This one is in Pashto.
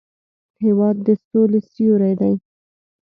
هېواد د سولې سیوری دی.